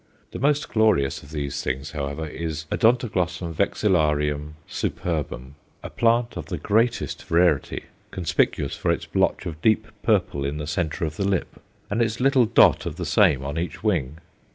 The most glorious of these things, however, is O. vex. superbum, a plant of the greatest rarity, conspicuous for its blotch of deep purple in the centre of the lip, and its little dot of the same on each wing.